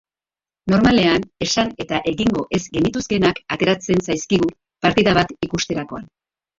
Normalean esan eta egingo ez genituzkeenak ateratzen zaizkigu partida bat ikusterakoan.